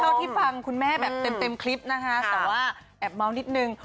เท่าที่ฟังคุณแม่แบบเต็มคลิปนะคะแต่ว่าแอบเมาส์นิดนึง